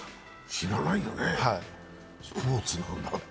知らないよね、スポーツだって。